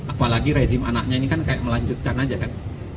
apalagi rezim anaknya ini kan kayak melanjutkan aja kan